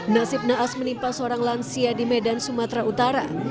nasib naas menimpa seorang lansia di medan sumatera utara